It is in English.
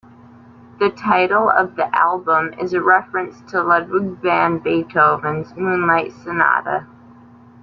The title of the album is a reference to Ludwig van Beethoven's "Moonlight Sonata".